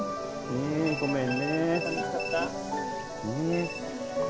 うん。